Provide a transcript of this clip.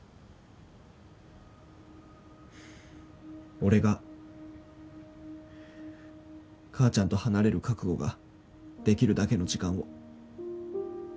俺が母ちゃんと離れる覚悟ができるだけの時間を。